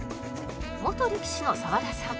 元力士の澤田さん